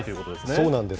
そうなんです。